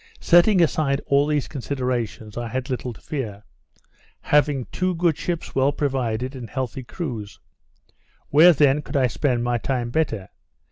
Setting aside all these considerations, I had little to fear; having two good ships well provided; and healthy crews. Where then could I spend my time better?